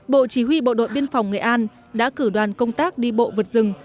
bộ chỉ huy bộ đội biên phòng nghệ an đã cử đoàn công tác đi bộ vượt rừng